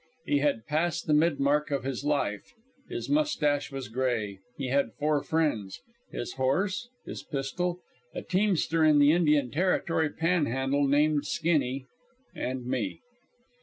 He had passed the mid mark of his life. His mustache was gray. He had four friends his horse, his pistol, a teamster in the Indian Territory Panhandle named Skinny, and me.